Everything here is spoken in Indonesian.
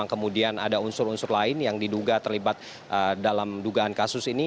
kemudian ada unsur unsur lain yang diduga terlibat dalam dugaan kasus ini